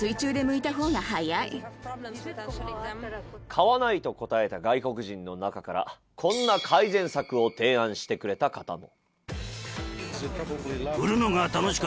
「買わない」と答えた外国人の中からこんな改善策を提案してくれた方も。